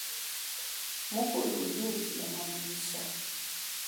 Mukulu udi ufila mamanyisha.